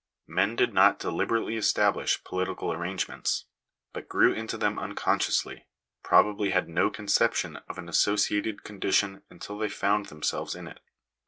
Men did not deliberately establish political arrangements, but* grew into them unconsciously — probably had no conception of J an associated condition until they found themselves in it.'